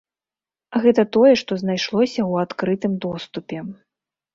Гэта тое, што знайшлося ў адкрытым доступе.